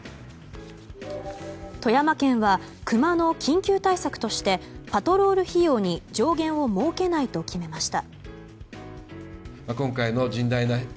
富山県はクマの緊急対策としてパトロール費用に上限を設けないと決めました。